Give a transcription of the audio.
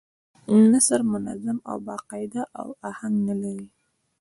نثر منظم او با قاعده اهنګ نه لري.